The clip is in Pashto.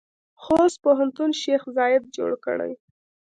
خوست پوهنتون شیخ زاید جوړ کړی؟